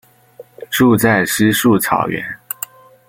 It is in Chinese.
住在稀树草原。